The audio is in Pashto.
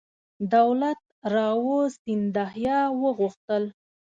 دولت راو سیندهیا وغوښتل.